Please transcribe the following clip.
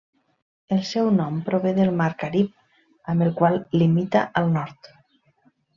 El seu nom prové del mar Carib, amb el qual limita al nord.